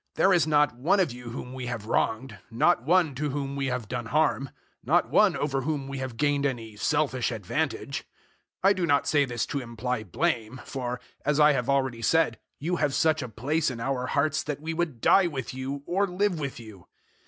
There is not one of you whom we have wronged, not one to whom we have done harm, not one over whom we have gained any selfish advantage. 007:003 I do not say this to imply blame, for, as I have already said, you have such a place in our hearts that we would die with you or live with you.